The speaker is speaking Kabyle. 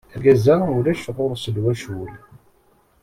Argaz-a ulac ɣur-s lwacul.